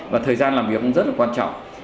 và thời gian làm việc cũng rất là quan trọng